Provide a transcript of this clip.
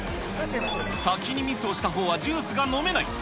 先にミスをしたほうはジュースが飲めない。